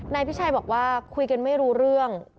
นายพิชัยบอกว่าคุยกันไม่รู้เรื่อง